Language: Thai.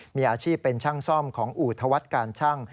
มีอาชีพเป็นช่างซ่อมของอูธวัฒน์การชั่ง